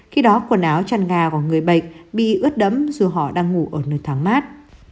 khi đó quần áo chăn gà của người bệnh bị ướt đấm dù họ đang ngủ ở nơi thoáng mát